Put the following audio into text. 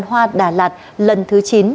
hoa đà lạt lần thứ chín